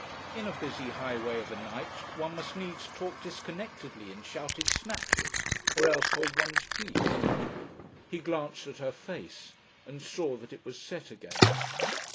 In a busy highway of a night one must needs talk disconnectedly in shouted snatches or else hold one's peace. He glanced at her face and saw that it was set again.